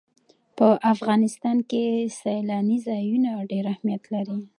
په افغانستان کې سیلانی ځایونه ډېر اهمیت لري.